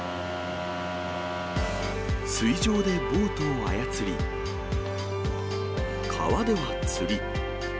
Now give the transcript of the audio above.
水上でボートを操り、川では釣り。